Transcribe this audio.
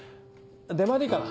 出前でいいかな？